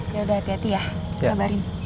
ya udah hati hati ya kabarin